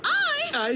はい！